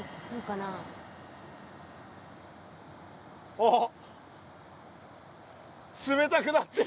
ああ冷たくなってる！